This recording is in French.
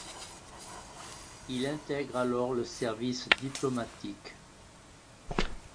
Il intègre alors le service diplomatique.